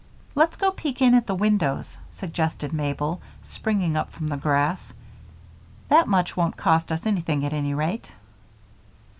"Let's go peek in at the windows," suggested Mabel, springing up from the grass. "That much won't cost us anything at any rate."